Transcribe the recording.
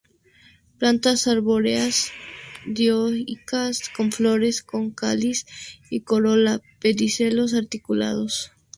Plantas arbóreas, dioicas, con flores con cáliz y corola y pedicelos articulados.